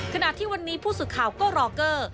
ขณะที่วันนี้ผู้สื่อข่าวก็รอเกอร์